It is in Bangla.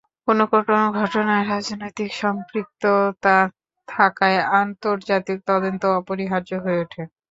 কোনো কোনো ঘটনায় রাজনৈতিক সম্পৃক্ততা থাকায় আন্তর্জাতিক তদন্ত অপরিহার্য হয়ে ওঠে।